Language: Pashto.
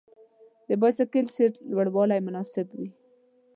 د بایسکل سیټ لوړوالی مناسب وي.